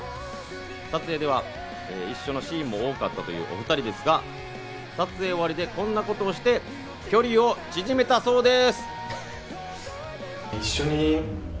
撮影では一緒のシーンも多かったというお二人ですが、撮影終わりでこんなことをして距離を縮めたそうです。